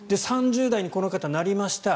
３０代にこの方なりました。